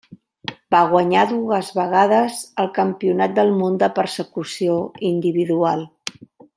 Va guanyar dues vegades el Campionat del món de persecució individual.